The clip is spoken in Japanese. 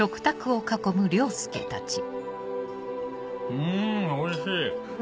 うんおいしいフ